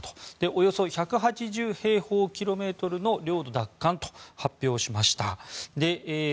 およそ１８０平方キロメートルの領土奪還と発表しました。